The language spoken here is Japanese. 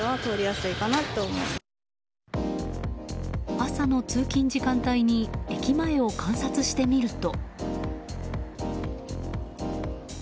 朝の通勤時間帯に駅前を観察してみると。